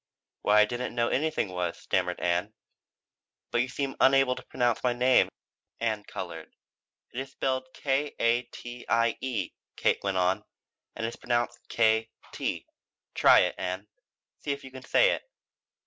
"Why I didn't know anything was," stammered Ann. "But you seem unable to pronounce my name." Ann colored. "It is spelled K a t i e," Kate went on, "and is pronounced K T. Try it, Ann. See if you can say it."